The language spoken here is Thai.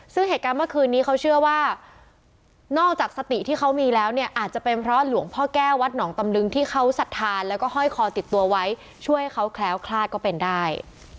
ซึ่งเหตุการณ์เมื่อคืนนี้เขาเชื่อว่านอกจากสติที่เขามีแล้วเนี่ยอาจจะเป็นเพราะหลวงพ่อแก้ววัดหนองตำลึงที่เขาสัทธาแล้วก็ห้อยคอติดตัวไว้ช่วยให้เขาแคล้วคลาดก็เป็นได้